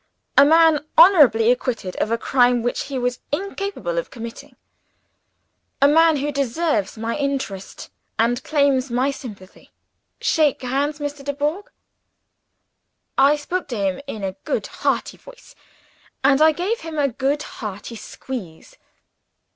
"A man honorably acquitted of a crime which he was incapable of committing. A man who deserves my interest, and claims my sympathy. Shake hands, Mr. Dubourg." I spoke to him in a good hearty voice, and I gave him a good hearty squeeze.